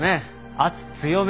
圧強めに。